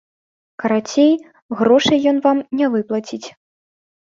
Карацей, грошай ён вам не выплаціць.